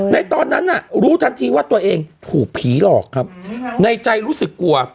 ตอนนั้นน่ะรู้ทันทีว่าตัวเองถูกผีหลอกครับในใจรู้สึกกลัว